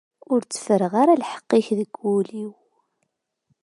Ur tteffreɣ ara lḥeqq-ik deg wul-iw.